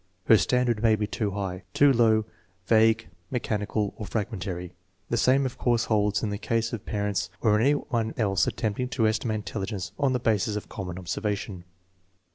Her standard may be too high, too low, vague, mechanical, or fragmentary. The same, of course, holds in the case of parents or any one else attempting to estimate intelligence on the basis of common observation.